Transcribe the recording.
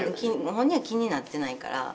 本人は気になってないから。